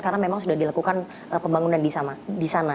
karena memang sudah dilakukan pembangunan di sana